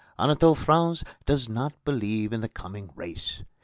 Anatole France does not believe in the coming race.